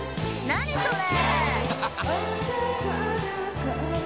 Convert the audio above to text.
何それ！